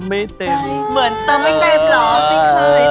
เหมือนเติมไม่ใกล้เพราะไม่เคยเต็ม